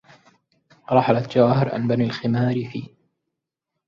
رحلت جواهر عن بني الخمار في